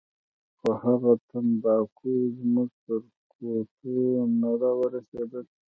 خو هغه تمباکو زموږ تر ګوتو نه راورسېدل.